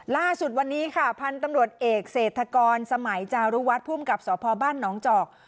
ล่าสุดวันนี้ค่ะพันธุ์ตำรวจเอกเศรษฐกรสมัยจารุวัฒน์ภูมิกับสพบ้านหนองจอก